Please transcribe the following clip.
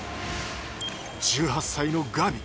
１８歳のガビ。